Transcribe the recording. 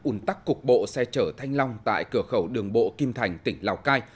ủn tắc cục bộ xe chở thanh long tại cửa khẩu đường bộ kim thành tỉnh lào cai